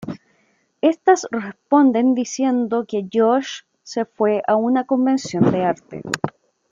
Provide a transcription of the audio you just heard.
Estas responden diciendo que Josh se fue a una convención de arte.